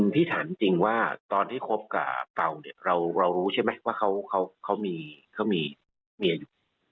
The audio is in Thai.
ที่ถามจริงตอนที่คุกกับเป่าเรารู้ใช่ไหมว่าเขามีเมียอยู่